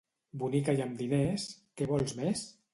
Bonica i amb diners, què vols més?